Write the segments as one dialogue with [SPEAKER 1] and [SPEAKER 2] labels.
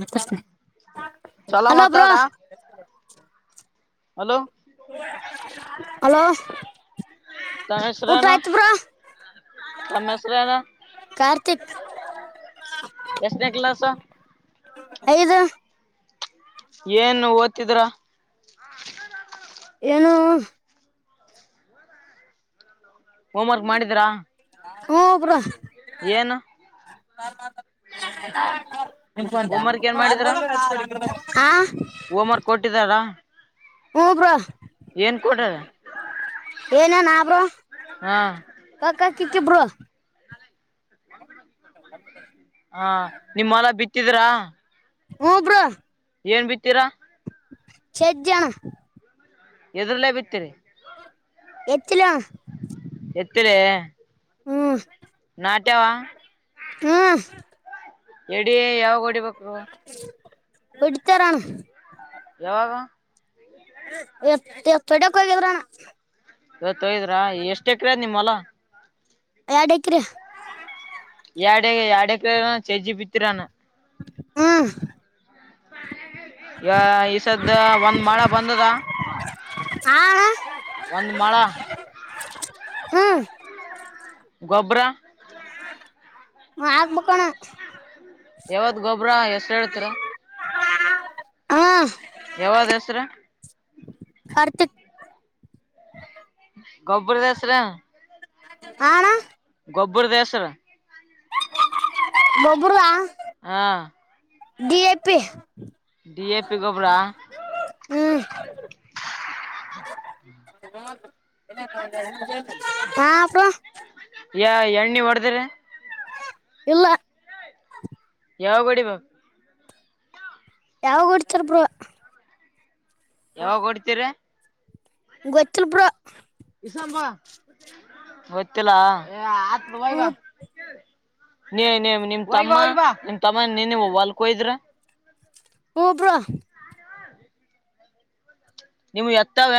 [SPEAKER 1] ಮ ಕೃಷ್ಣ
[SPEAKER 2] ಚಲ ಮಾತಾಡಾ
[SPEAKER 1] ಹಲೋ ಊಟ ಆಯ್ತವ್ರ
[SPEAKER 2] ಅಮ್ಮ್ರಾನ
[SPEAKER 1] ಕಾರ್ತಿಕ್
[SPEAKER 2] ಎಷ್ಟನ ಕ್ಲಸ
[SPEAKER 1] ಐದು
[SPEAKER 2] ಏನು ಓದ್ತಿದ್ರ
[SPEAKER 1] ಏನುೂ
[SPEAKER 2] ಹೋಮ್ವರ್ಕ್ ಮಾಡಿದೀ್ರಾ
[SPEAKER 1] ಹಬರ
[SPEAKER 2] ಏನು
[SPEAKER 1] ನಿಂತ
[SPEAKER 2] ಹೋಮ್ ವರ್ಕ್
[SPEAKER 1] ಹಾ
[SPEAKER 2] ಓಮರ್ ಕೊಟ್ಟಿದಾರಾ
[SPEAKER 1] ಹೂ ಬ್ರೋ
[SPEAKER 2] ಏನ್ ಕೊಡದ
[SPEAKER 1] ಏನೇನ್ಬ್ರು ಕ ಕಿಕ್ಕಿಬರು
[SPEAKER 2] ಹಾ ನಿಮ್ಮಲ ಬಿತ್ತಿದ್ರಾ
[SPEAKER 1] ಹೂಬ್ರ
[SPEAKER 2] ಏನ್ ಬಿತ್ತೀರಾ
[SPEAKER 1] ಛಜಜಣ
[SPEAKER 2] ಎದು್ರಲೇ ಬಿತ್ತೀರಿ
[SPEAKER 1] ಹೆಚ್ಚಲ
[SPEAKER 2] ಎತ್ರ
[SPEAKER 1] ಹ್ಮ್
[SPEAKER 2] ನಾಟಾವ
[SPEAKER 1] ಹಾ
[SPEAKER 2] ಎಡಿ ಯಾವಾಗ ಹೊಓಡಿಬೇಕು
[SPEAKER 1] ಎಡಿತಾರಾನ
[SPEAKER 2] ಯಾವಾಗ
[SPEAKER 1] ಡ ಕೊ ವಿದುರ
[SPEAKER 2] ತೋಯದ್ರಾ ಎಷ್ಟ ಎಕ್ರ್ ನಿಮ್ ಅಲ್ಲ
[SPEAKER 1] ಯಡ್ಕ್ರ
[SPEAKER 2] ಎಡೆ ಎಡೆ ಕ ಚಜಿ ಬಿತ್ತರಾನ
[SPEAKER 1] ಹ್ಮ
[SPEAKER 2] ಈ ಈಸದ ಒಂದ್ ಮಳೆ ಬಂದದ
[SPEAKER 1] ಹಾ
[SPEAKER 2] ಒಂದ್ ಮಳ
[SPEAKER 1] ಹ್ಞೂ
[SPEAKER 2] ಗೊಬ್ಬರ
[SPEAKER 1] ಹಾಕ್ಬೇಕಣ್ಣ
[SPEAKER 2] ಯಾವತ್್ ಗೊಬ್ಬ್ರ ಎಷ್ಟ ಹೇಳ್ತರ
[SPEAKER 1] ಹ್ಞೂ
[SPEAKER 2] ಯಾವ್ದ ಹೆಸರ
[SPEAKER 1] ಹರ್ತ
[SPEAKER 2] ಗೊಬ್ಬರ ದಸರ
[SPEAKER 1] ಹಣ
[SPEAKER 2] ಗೊಬ್ಬರ ದೇಶರ
[SPEAKER 1] ಬೊಬ್ಬರು
[SPEAKER 2] ಹಾ
[SPEAKER 1] D A P
[SPEAKER 2] D A P ಗಬರ
[SPEAKER 1] ಹ್ಞೂ ಹಾ ಪ
[SPEAKER 2] ಯ ಎಣ್ಣಿ ಹೊಡದ್ರ
[SPEAKER 1] ಇಲ್ಲ
[SPEAKER 2] ಯಾವ ಗಡಿ ಬ
[SPEAKER 1] ಯಾವ ಹೊಡ್ತರ್ ಬ್ರ
[SPEAKER 2] ಯಾವಾಗ ಹೊಡ್ತಿೀರಿ
[SPEAKER 1] ಗೊಚ್ಚಲ್ಪರ
[SPEAKER 2] ಇಸಂಬ ಹೊತ್ತಲ್ಲ ಆ ಬಗ
[SPEAKER 1] ಹ್ಞೂ
[SPEAKER 2] ನೀ ನೀ ನಿಮ ತಮ್ಮ ನಿಮ್ ತಮ್ಮ ನೀನು ವಲ್ಕೋಯಿದ್ರ
[SPEAKER 1] ಹೂಬ್ರೋ
[SPEAKER 2] ನಿಮ್ಗೆ ಎತಾವ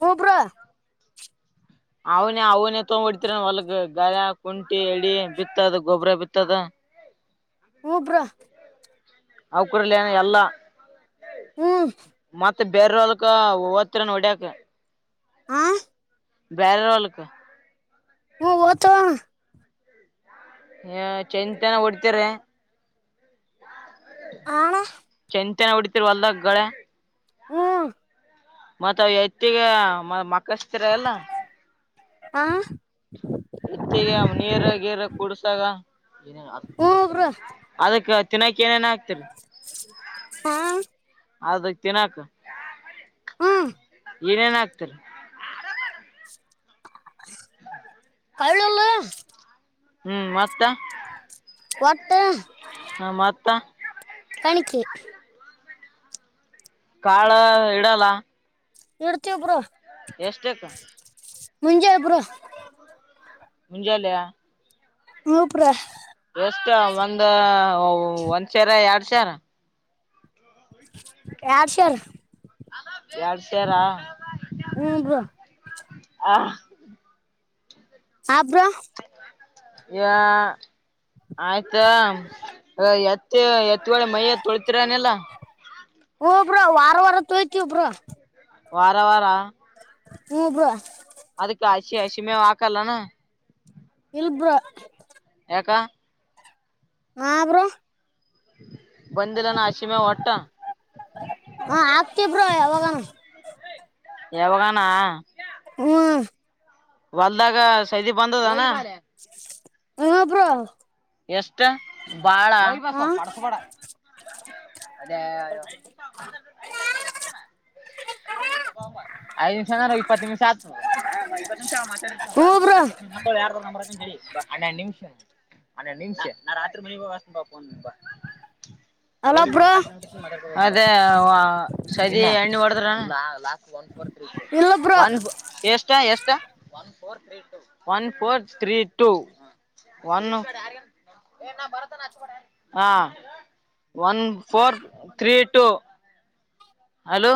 [SPEAKER 1] ಹೂಬ್ರ
[SPEAKER 2] ಅವನೇ ಅವನೇ ತೊಗ್ಬಿಡ್ತರಿ ಹೊಲ್ಗ ಗಳ ಕುಂಟಿ ಎಡಿ ಬಿತ್ತದ ಗೊಬ್ಬ್ರ ಬಿತ್ತದ
[SPEAKER 1] ಹಬ್ರೊ
[SPEAKER 2] ಅವ ಕೂಡಲಯನ ಎಲ್ಲಾ
[SPEAKER 1] ಹ್ಮ್
[SPEAKER 2] ಮತ್ತ ಬೇರ ಅವಲ್ಕ ಹವತ್ತ ನ ಹೊಡ್ಯಕ
[SPEAKER 1] ಆ
[SPEAKER 2] ಬೇರೆ ಅವಳಕ
[SPEAKER 1] ಹ ತ
[SPEAKER 2] ಹ ಚೈಂತನ ಹೊಡ್ತಿ್ರಿ
[SPEAKER 1] ಆಣ
[SPEAKER 2] ಹೊಡತಿರ್ರುವಲ್ಲ ಗಳೆ
[SPEAKER 1] ಹ್ಮ
[SPEAKER 2] ಮತ್ತ್ ಎತ್ತಿಗೆ ಮ ಮಕ್ಕಸ್ತಿರ ಎಲ್ಲ
[SPEAKER 1] ಹ
[SPEAKER 2] ಎತ್ತಿಗೆ ನೀರ ಗೇರ ಕುಡಸಾಗ
[SPEAKER 1] ಹ್ಞೂ
[SPEAKER 2] ಅದಕ್ಕೆ
[SPEAKER 1] ಹಾ
[SPEAKER 2] ಅದಕ್ ತಿಿನಾಕ್
[SPEAKER 1] ಹಾ
[SPEAKER 2] ಏನೇನ್ ಆಗ್ತರಿ
[SPEAKER 1] ಕಳಲ್ಲ
[SPEAKER 2] ಹ್ಮ್ ಮತ್ತ
[SPEAKER 1] ಒಟ್ಟ
[SPEAKER 2] ಹ ಮತ್ತ
[SPEAKER 1] ಕಣಿಕಿ
[SPEAKER 2] ಕಾಳ ಇಡಲ್ಲ
[SPEAKER 1] ಇಡ್ತೊಬ್ರು
[SPEAKER 2] ಎಷ್ಟಕ್ಕ
[SPEAKER 1] ಮುಂಜೆ ಬ್ರೋ
[SPEAKER 2] ಹುಂಜಾಲ
[SPEAKER 1] ಹಪರಾ
[SPEAKER 2] ಎಷ್ಟ ಒಂದ ಒಂದ್ ಸರ ಎರಡ್ ಸರ
[SPEAKER 1] ಯಾರಷರ್
[SPEAKER 2] ಎರಡ್ ಸರ
[SPEAKER 1] ಹಏನು
[SPEAKER 2] ಆ
[SPEAKER 1] ಆಬ್ರ
[SPEAKER 2] ಯಾ. ಆಯ್ತಾ ಎತ್ತಿ ಎತ್ತಗೇಳೆ ಮೈಯ ತೊಳತಿರನೆಲ್ಲ
[SPEAKER 1] ಹಬ್ರ ವಾರ ವಾರ ತೋಯ್ತ ಒಬ್ರ
[SPEAKER 2] ವಾರ ವಾರಾ
[SPEAKER 1] ಹು ಬ್ರೋ
[SPEAKER 2] ಅದಕ್ಕೆ ಹಸಿ ಹಸಿ ಮೇವ ಹಾಕಲ್ಲಣ
[SPEAKER 1] ಶು ಬ್ರೋ
[SPEAKER 2] ಕ್ಕಾ
[SPEAKER 1] ಹಾ ಬ್ರೋ
[SPEAKER 2] ಬಂದಿಲಾನ ಅಶಿಮಗಾ ವಟ್ಟ್
[SPEAKER 1] ಹಾ ಆಗ್ತಿವ ಬ್ರೋ ಯವಾಗನ
[SPEAKER 2] ಯಾವಾಗಾನ
[SPEAKER 1] ಹ್ಮ
[SPEAKER 2] ಹೊಲ್ದಾಗ ಸೈದಿ ಬಂದದನಾ
[SPEAKER 1] ಹ ಹಾ ಬ್ರೋ
[SPEAKER 2] ಎಷ್ಟ ಬಾಳ ವಾಯಿ ಬಾ
[SPEAKER 1] ಹಾ
[SPEAKER 2] ಸ್ವಲ್ಪ ಪಡ್ಸಬೇಡ ಅದೇ ಐ ಐದು ನಿಮಿಷ ಅನ್ನರಾಗ್ ಇಪ್ಪ ನಿಮಿಷ ಆತ ಇಪ್ಪತ್ತು ನಿಮಿಷ ಆವಾ ಮಾತಡಿದ
[SPEAKER 1] ಹ್ಞೂ ಬ್ರೋ
[SPEAKER 2] ತೊಂಬಾ ಯಾರದರ ನಂಬರ್ ಹಾಕ್ತಿನಿ ತಡಿ ಹನ್ನೆರ ನಿಮಿಷ ಹನ್ನೆಡ್ ನಿಮಿಷ ನಾ ರಾತ್ರಿ ಮನೆಗೆ ಹೋಗಿ ಹಚ್ಚತೇನಿ
[SPEAKER 1] ಅಲ್ಲ ಬ್ರೋ
[SPEAKER 2] ಫೋನಿಂಗ ಅದೇ ಸೇದಿ ಎಣ್ಣಿ ಹೊಡದ್ರ
[SPEAKER 1] ಇಲ್ಲ ಬ್ರೋ
[SPEAKER 2] ಒನ್ ಎಷ್ಟಾ ಎಷ್ಟಾ four three two one four three two one ಅ್ಯನ್ ಏ ಭರತನ ಹಚ್ಚಬೇಡಾ ಹ one four three two hello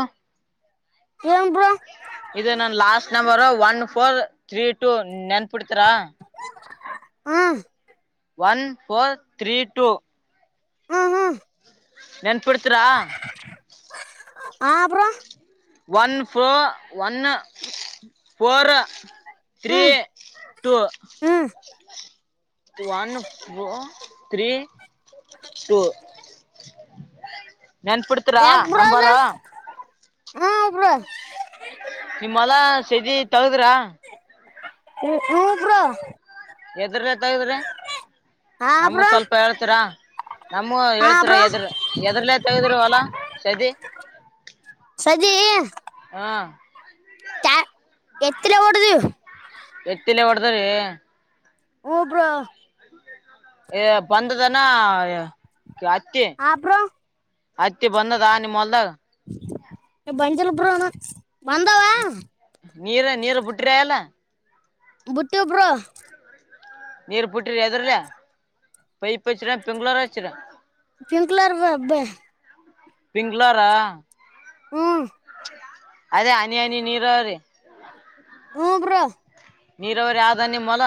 [SPEAKER 1] ಹಏ
[SPEAKER 2] ಇದು ನನ್ last number one four three two ನೆನ್ಪಿಡ್ತರಾ
[SPEAKER 1] ಹ್ಮ
[SPEAKER 2] ಒನ್ ಫೋರ್ ಥ್ರೀ ಟೂ
[SPEAKER 1] ಹ್ಮ್ ಹ್ಮ್
[SPEAKER 2] ನೆನ್ಪಿಡ್ತೀರಾ
[SPEAKER 1] ಹಾ bro
[SPEAKER 2] one four one four three
[SPEAKER 1] ಹ್ಮ್
[SPEAKER 2] ಟೂ
[SPEAKER 1] ಹ್ಮ್
[SPEAKER 2] ಒನ್ ಫೋರ್ ಥ್ರೀ ಟೂ ನೆನ್ಪಿಡ್ತರಾ
[SPEAKER 1] ಯಾಕ್ ಬ್ರೋ ಅದು
[SPEAKER 2] ನಂಬರ್
[SPEAKER 1] ಹ್ಮ್ ಬ್ರೋ
[SPEAKER 2] ನಿಮ್ಮ ಹೊಲ ಶದಿ ತಗದುರ
[SPEAKER 1] ಹು ಬ್ರೋ
[SPEAKER 2] ಎದ್ರ ಎತಗ್ರಿ
[SPEAKER 1] ಹಾ
[SPEAKER 2] ನಮ
[SPEAKER 1] ಬ್ರೋ
[SPEAKER 2] ಸ್ವಲ್ಪ ಹೇಳ್ತೀರಾ ನಮ್ಮೂ
[SPEAKER 1] ಹಾ
[SPEAKER 2] ಹೇಳ್ತಿರ
[SPEAKER 1] ಬ್ರೋ
[SPEAKER 2] ಎದ್ರ ಎದರ್ಲೆೇ ತೆಗ್ದರಿ ಹೊಲ ಶದಿ
[SPEAKER 1] ಸಜಿ ಎತ್ತ ಲೇ ಹೊಡದಿವಿ
[SPEAKER 2] ಎತ್ತಿಲೇ ಹೊಡದ್ರೀ
[SPEAKER 1] ಹು ಬ್ರೋ
[SPEAKER 2] ಹೇ ಬಂದದಾನ ಆ ಎ ಹತ್ತಿ
[SPEAKER 1] ಹಾ ಬ್ರೋ
[SPEAKER 2] ಹತ್ತಿ ಬಂದದ ನಿಮ್ಮ ಹೊಲ್ದಾಗ
[SPEAKER 1] ಬಂದಿಲ್ ಬ್ರೋ ನಾ ಬಂದವಾ
[SPEAKER 2] ನೀರ ನೀರ ಬಿಟ್ಟರ ಇಲ್ಲ
[SPEAKER 1] ಬುಟ್ಟಿವಿ ಬ್ರೋ
[SPEAKER 2] ನೀರ್ ಬುಟ್ಟಿರ ಎದ್ರಲ್ಲಿ ಪೈಪ್ ಹಚ್ಚರ ಪಿಂಗಲರ್ ಹಚ್ಚಿರ್
[SPEAKER 1] ಪಿಂಕ್ಲರ್ ಬ ಅಬ್ಬ
[SPEAKER 2] ಪಿಂಗಲರ್
[SPEAKER 1] ಹ್ಮ್
[SPEAKER 2] ಅದೇ ಹನಿ ಹನಿ ನೀರಾವರಿ
[SPEAKER 1] ಹಾ ಬ್ರೊ
[SPEAKER 2] ನೀರಾವರಿ ಆದಧಯ ಮಲ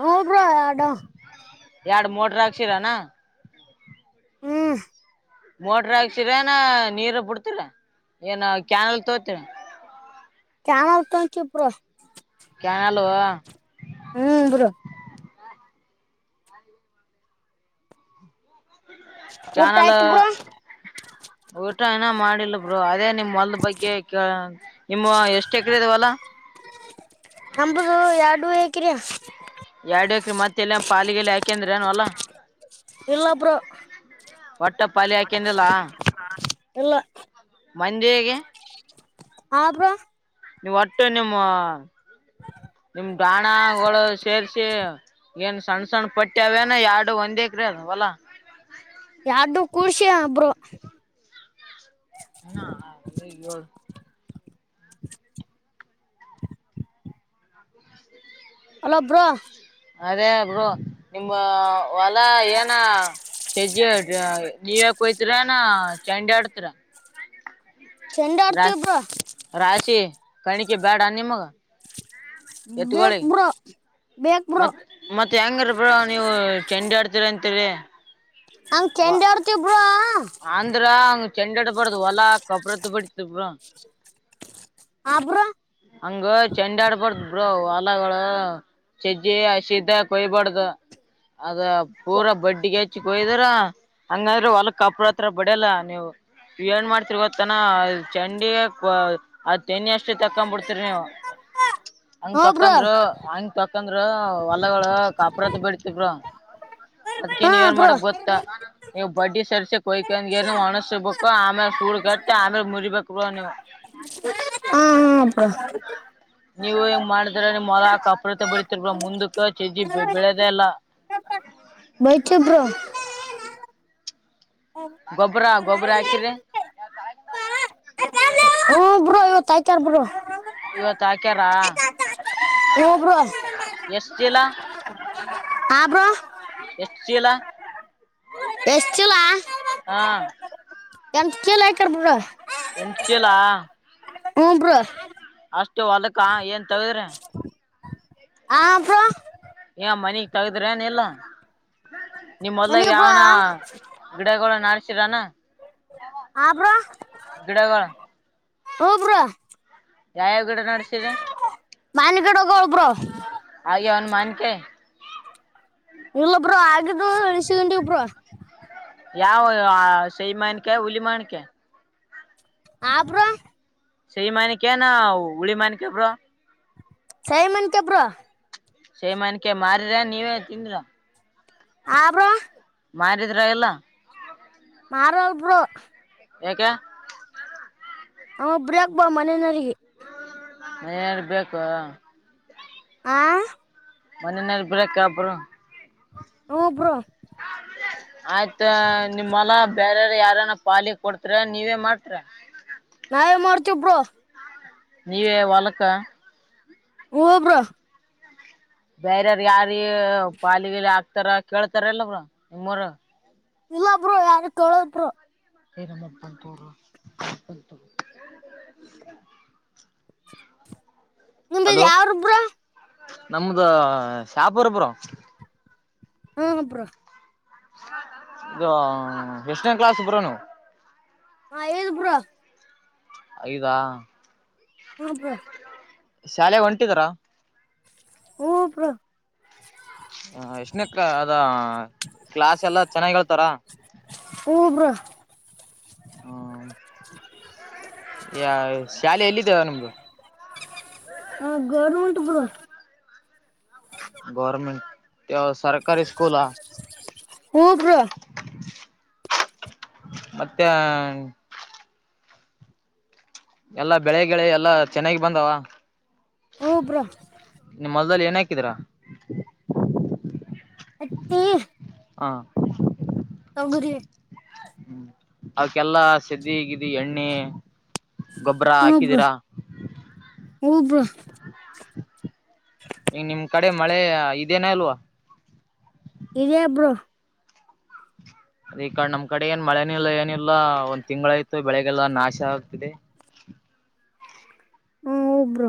[SPEAKER 1] ಹ ಭ್ರಾ ಡ
[SPEAKER 2] ಎರಡು ಮೂೋಡ್ರಕ್ಸಿರಾನ
[SPEAKER 1] ಹ್ಮ
[SPEAKER 2] ಮೋಟ್ರ ಆಾಕ್ಸ್ರ ಏನ ನೀರ್ ಬಿಡ್ತರ ಏನ ಕ್ಯಾನಲ್ ತೋತರಿ
[SPEAKER 1] ಕಾಣ ಆತ ಚಪ್ರ
[SPEAKER 2] ಹಲವಾ
[SPEAKER 1] ಹ್ಮ್ ಬರೋ ಊಟ
[SPEAKER 2] ಕಾನಲ್
[SPEAKER 1] ಆಯ್ತು ಬ್ರೋ
[SPEAKER 2] ಊಟ ಏನ ಮಾಡಿಲ್ಲ ಬ್ರೋ ಅದೇ ನಿಮ್ಮ್ ಹೊಲ್ ಬಗ್ಗೆ ನಿಮ್ಮ ಎಷ್ಟ್ ಎಕರೆ ಇದವಲ್ಲ
[SPEAKER 1] ನಂಬುದು ಎರಡು ಹೇಕಿರಯ
[SPEAKER 2] ಎರಡ್ ಎಕ್ರ ಮತ್ತ ಎಲ್ಲ ಪಾಲಿಗೆಲ್ಲಿ ಹಾಕಂದ್ರ ಅನ್ವಲ್ಲಾ
[SPEAKER 1] ಇಲ್ಲಪರ
[SPEAKER 2] ಒಟ್ಟ ಪಾಲಿ ಹಾಕೊಂಡಿಲ್ಲ
[SPEAKER 1] ಎಲ್ಲ
[SPEAKER 2] ಮಂದಿಗೆ
[SPEAKER 1] ಹ್ರ
[SPEAKER 2] ನೀವು ಒಟ್ಟು ನಿಮ್ಮ ನಿಮ ಾಣಗಳು ಸೇರ್ರಿಸಿ ಏನ್ ಸಣ್ಣ ಸಣ್ಣ ಪಟ್ಟ್ಯವೇನ ಎರಡು ಒಂದ್ ಎಕ್ರ ಅದವಲಾ
[SPEAKER 1] ಯಾರ್ದು ಕರ್ಷಿಯ ಒಬ್ರು
[SPEAKER 2] ಈ
[SPEAKER 1] [inaudible] ಅಲ್ಲಬ್ಬ್ರಾ
[SPEAKER 2] ಅದೇ ಬ್ರ ನಿಮಮ್ಮ ಹೊಲಾ ಏನ ಚಜಜೆ ನ್ಯೂಯಾರ್ಕ್ ಹೋಯತರ ನ ಚಂಡೆ ಆಡ್ತರ
[SPEAKER 1] ಚೆಂಡ ಆಡ್ತೀವಿ
[SPEAKER 2] ರಶ
[SPEAKER 1] ಬ್ರೋ
[SPEAKER 2] ರಶಿ ಕಣಿಕೆ ಬ್ಯಾಡ ನೀ ಮಗ
[SPEAKER 1] ಬೇಕ ಬ್ರೋ ಬೇಕ್ ಬ್ರೋ
[SPEAKER 2] ಮತ್ತ್ ಮತ್ತ್ ಹೆಂಗರಬ್ರ ನೀವು ಚೆಂಡಿ ಆಡ್ತೀರ ಅಂತ
[SPEAKER 1] ಹಂಗ ಚಂಡ ಹರ್ತಿಬ್್ರ
[SPEAKER 2] ಆಂಧ್ರಾ ಅವಂಗ ಚೆಂಡೆಡ ಪಡದು ಒಲಾ ಕಪ್ರದ ಪಡರ
[SPEAKER 1] ಹಾ ಬ್ರೋ
[SPEAKER 2] ಅಂಗ ಚೆಂಡಳ ಪ ಇ ಹೊಲಗಳು ಚಜ್ಜಿ ಹಸಿದ್ದ ಕೊಯ್ಬಾರ್ದ ಅದು ಪೂರಾ ಬಡ್ಡಿಿಗೆ ಹಚ್ಚಿಿಕೊಯ್ದ್ರ ಹಂಗಾದ್ರೆ ಹೊಲ ಕಪ್ರ ಹತ್ರ ಬಡಿಯಲ್ಲ ನೀವು ಏನ್ ಮಾಡ್ತಿರಿ ಗೊತ್ತನ ಚಂಡಿಗೆ ತೆನ್ನಿ ಅಷ್ಟು ತಕೊ್ಬ ಬಿಡ್ತರಿಿ ನೀವು ಹಂಗ
[SPEAKER 1] ಹ್ಞೂ ಬ್ರೋ
[SPEAKER 2] ತೊಕಂದರು ಹಂಗ ತೊಕಂದ್ ಹೊಲ್ಲಗಳು ಕಾಪ್ರತ್ ಬಿಡತಬರು ಅದ್ಕ್ಕೆ
[SPEAKER 1] ಹಾ
[SPEAKER 2] ನೀವ ಏನ್
[SPEAKER 1] ಬ್ರೋ
[SPEAKER 2] ಮಾಡಕ್ ಗೊತ್ತಾ ನೀವು ಬಡ್ಡಿ ಸರ್ ಕೊಯ್ಕಂದಗೆ ನೀ ಒಣಸ್ಬೇಕು ಆಮೇಲೆ ಸೂಡ್ ಕಟ್ಟ ಆಮೇಲೆ ಮುರಿಬೇಕು ನೀವು
[SPEAKER 1] ಹಾ ಹಾ ಅಪ
[SPEAKER 2] ನೀವು ಹೆಂಗ ಮಾಡಿದ್ರ ನಿಮ್ ಮಲಾ ಕಪ್ರತೆ ಬೆಳತಿರ್ ಮುಂದಕ್ಕ ಚಜಿ ಬೆಳದ ಎಲ್ಲ
[SPEAKER 1] ಬೈಚ ಬ್ರ
[SPEAKER 2] ಗೊಬ್ಬರ ಗೊಬ್ಬ್ರ ಹಾಕಿ್ರಿ
[SPEAKER 1] ಯ ತಾಯ್ಕಾರ್ ಬರು
[SPEAKER 2] ಇವತ್ ಹಾಕ್ಯಾರ
[SPEAKER 1] ಹೋಬ್ರೋ
[SPEAKER 2] ಎಷ್ಟ್ ಚೀಲ
[SPEAKER 1] ಆಬೋ
[SPEAKER 2] ಶೀಲ
[SPEAKER 1] ಎಷ್ಟಲ
[SPEAKER 2] ಹಾ
[SPEAKER 1] ಎಂತ ಕೇಳಲ್ ಆಯತರ್ಬ್ರ
[SPEAKER 2] ನಿಚಲಾ
[SPEAKER 1] ಹೂಂ ಬ್ರೊ
[SPEAKER 2] ಅಷ್ಟು ಅದಕ್ಕ ಏನ್ ತಗದ್ರ
[SPEAKER 1] ಹ ಅ
[SPEAKER 2] ಏ ಮನಗ್ ತಗದ್ರ ಏನ್ ಎಲ್ಲ ನಿಮ್ ಮೊದ್ಲಾಗ
[SPEAKER 1] ಮನೆಗೆ ಬ್ರೋ
[SPEAKER 2] ಯಾವನ ಗಿಡಗಳ ನಡ್ಸಿರಾನ ಗಿಡಗಳ
[SPEAKER 1] ಹಬ್ರ
[SPEAKER 2] ಯಾವ ಗಿಡ ನಡೆಸಿದೆ
[SPEAKER 1] ಮನ್ಗಡೋಗ ಒಬ್ರ
[SPEAKER 2] ಮಾನಕ
[SPEAKER 1] ಇಲ್ಲೊಬ್ರು ಆಗಿದ ಎಣಸ ಗಂಂಡಿ ಒಬ್ರು
[SPEAKER 2] ಯಾವ ಸೈಮನ್ಕ ಹುಲಿಮನ್ಕ
[SPEAKER 1] ಆಬ್ರ
[SPEAKER 2] ಸ ಮನಿಕ ನ ಹುಳಿಮನಿಕ ಬ್ರೋ
[SPEAKER 1] ಸೈಮನ್ ಕೆಪ್ರಾ
[SPEAKER 2] ಸೇಮನ್ಕ ಮಾರರ ನೀವೇ ತಿಂದ್ರ
[SPEAKER 1] ಆರ
[SPEAKER 2] ಮಾರಿದ್ರ ಎಲ್ಲ
[SPEAKER 1] ಮಾರ ಬರೋ
[SPEAKER 2] ಯಏಕ
[SPEAKER 1] ಹ ಒಬ್ಲಕ್ ಬಾ ಮನೆಯನರಿಗೆ
[SPEAKER 2] ಏನ್ ಬೇಕು
[SPEAKER 1] ಆ
[SPEAKER 2] ಮಣ್ಣನ ಬ್ರಕ್ ಅಪರ
[SPEAKER 1] ಹಬ್ರು
[SPEAKER 2] ಆಯ್ತಾ ನಿಮ್ಮಲ್ಲ ಬೇರಾರ ಯಾರನ ಪಾಲಿ ಕೊಡ್ತರ ನೀವೇ ಮಾಡ್ತ್ರ
[SPEAKER 1] ನಾವೆ ಮರ್ತು ಬ್ರೋ
[SPEAKER 2] ನೀವೇ ವಾಲಕ್ಕ
[SPEAKER 1] ಹಬ್ರ
[SPEAKER 2] ಬೇರಾರ ಯಾರ ಪಾಲಿಗೆಲಿ ಹಾಕ್ತಾರ ಕೇಳ್ತಾರಲ್ಲ ಅವರು ನಿಮ್ಮರು
[SPEAKER 1] ಇಲ್ಲ ಬ್ರರು ಯ ತೊಳದರು
[SPEAKER 2] ಏನಮ್ಮಪ್ಪಂತೂರು ಮ
[SPEAKER 1] ನಿದ
[SPEAKER 2] ಹಲೋ
[SPEAKER 1] ಯಾವಾರೊಬ್ರ
[SPEAKER 2] ನಮ್ದ ಶಾಪರಪುರಂ ಬ್ರೋ
[SPEAKER 1] ಹಾ ಹಬ್ಬ್ರ
[SPEAKER 2] ಇದು ಎಷ್ಟನನ್ ಕ್ಲಾಸ್ಬ್ರನು
[SPEAKER 1] ಐದು ಬ್ರೋ
[SPEAKER 2] ಐದಾ
[SPEAKER 1] ಹ್ಮ ಹಾ
[SPEAKER 2] ಶಾಲೆ ಹೊಂಟಿದರ
[SPEAKER 1] ಊಬ್ರ
[SPEAKER 2] ಹ ಎಶನಕ್ಕ ಅದ ಕ್ಲಾಸ್ ಎಲ್ಲ ಚೆನ್ನಾಗ್ ಹೇಳ್ತಾರ
[SPEAKER 1] ಹ್ಞೂ ಬ್ರೋ
[SPEAKER 2] ಹ್ಮ ಯ ಶಾಲೆಯಲ್ಲಿ ನಿಮ್ದು
[SPEAKER 1] ಹಾ ಗೌರ್ಮೆಂಟ ಬರ
[SPEAKER 2] ಗರ್ಮೆಂಟ್ ಸರ್ ಕ ಸ್ಕೂಲ
[SPEAKER 1] ಹ್ಞೂ ಬ್ರೋ
[SPEAKER 2] ಮತ್ತೆ ಎಲ್ಲಾ ಬೆಳೆ ಳೆ ಎಲ್ಲಾ ಚೆನ್ನಾಗಿ ಬಂದಾವ
[SPEAKER 1] ಹಬ್ರೊಂ
[SPEAKER 2] ನಿಮ್ ಹೊಲದಲ್ಲಿ ಏನ್ ಹಾಕಿದೀರ.
[SPEAKER 1] ಹತ್ತಿ
[SPEAKER 2] ಹಾ
[SPEAKER 1] ತೊಗರಿ.
[SPEAKER 2] ಅದಕ್ಕೆಲ್ಲಾ ಸದ್ದಿ ಗಿದಿ ಎಣ್ಣೆ. ಗೊಬ್ಬರ
[SPEAKER 1] ಹ್ಮ್ ಬ್ರೋ
[SPEAKER 2] ಹಾಕಿದೀರಾ
[SPEAKER 1] ಹ್ಮ್ ಬ್ರೋ
[SPEAKER 2] ಈಗ್ ನಿಮ್ ಕಡೆ ಮಳೆ ಇದೇನ ಇಲ್ವಾ.
[SPEAKER 1] ಇದೆ ಬ್ರೋ
[SPEAKER 2] ಅದೆ ಇಕಡ್ ನಮ್ ಕಡೆ ಏನ್ ಮಳೆನಿಲ್ಲ ಏನಿಲ್ಲ ಒಂದ್ ತಿಂಗಳ ಆಯ್ತು ಬೆಳೆಗ್ಗೆಲ್ಲ ನಾಶ ಆಗ್ತಿದೆ. [inaudible]
[SPEAKER 1] ಹ್ಮ ಬ್ರೋ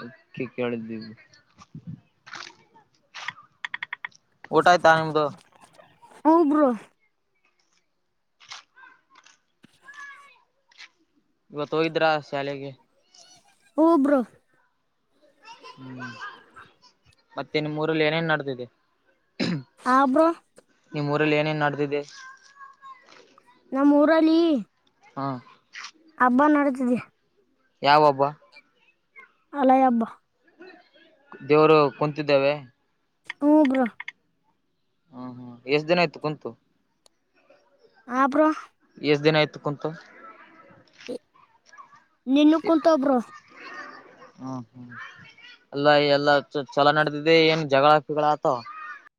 [SPEAKER 2] ಅದಿಕ್ಕೆ ಕೇಳಿದ್ದೀವಿ. ಊಟ ಆಯ್ತಾ ನಿಮ್ದು.
[SPEAKER 1] ಹ್ಮ್ ಬ್ರೋ
[SPEAKER 2] ಇವತ್ತ ಹೋಗಿದ್ರಾ ಶಾಲೆಗೆ.
[SPEAKER 1] ಹ್ಮ್ ಬ್ರೊ
[SPEAKER 2] ಹ್ಮ್ ಮತ್ತೆ ನಿಮ್ಮೂರಲ್ಲ ಏನೇನ್ ನಡದಿದೆ.
[SPEAKER 1] ಹಾ ಬ್ರೋ
[SPEAKER 2] ಊರಲ್ಲ ಏನೇನ್ ನಡದಿದೆ.
[SPEAKER 1] ನಮ್ಮ ಊರಲ್ಲಿ.
[SPEAKER 2] ಹಾ
[SPEAKER 1] ಹಬ್ಬಾ ನಡದಿದೆ.
[SPEAKER 2] ಯಾವ ಹಬ್ಬ.
[SPEAKER 1] ಅಲೈ ಹಬ್ಬಾ
[SPEAKER 2] ದೇವ್ರು ಕುಂತಿದ್ದವೇ
[SPEAKER 1] ಹ್ಮ್ ಬ್ರೋ
[SPEAKER 2] ಹ್ಮ್ ಹ್ಮ್ ಎಷ್ಟ್ ದಿನ ಆಯ್ತು ಕುಂತು.
[SPEAKER 1] ಹ ಬ್ರೋ
[SPEAKER 2] ಎಷ್ಟ ದಿನ ಆಯ್ತು ಕುಂತು.
[SPEAKER 1] ನಿನ್ನೆ ಕುಂತವ ಬ್ರೋ
[SPEAKER 2] ಹ್ಮ್ ಹ್ಮ್ ಅಲ್ಲ ಎಲ್ಲ ಚಲೋ ಚ ನಡದ್ದಿದೆ ಏನ್ ಜಗಳ ಪಿಗಳ ಆತವ್.